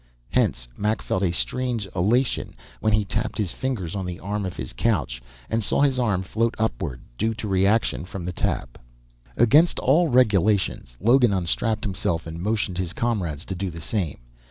Hence, Mac felt a strange elation when he tapped his fingers on the arm of his couch and saw his arm float upward, due to reaction from the tap. Against all regulations, Logan unstrapped himself and motioned his comrades to do the same.